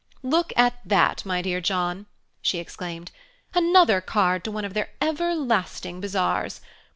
"Look at that, my dear John," she exclaimed "another card to one of their everlasting bazaars!